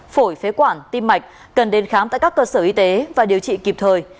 phổi phế quản tim mạch cần đến khám tại các cơ sở y tế và điều trị kịp thời